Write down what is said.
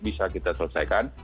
bisa kita selesaikan